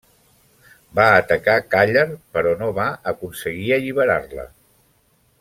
Va atacar Càller però no va aconseguir alliberar-la.